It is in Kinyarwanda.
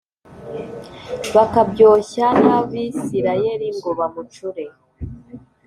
bakabyoshya n’Abisirayeli ngo bacumure